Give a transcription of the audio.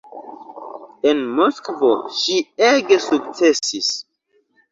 En Moskvo ŝi ege sukcesis.